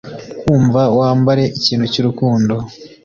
kumva Wambare ikintu cy'urukundo